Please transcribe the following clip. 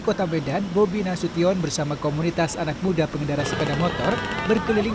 kota medan bobi nasution bersama komunitas anak muda pengendara sepeda motor berkeliling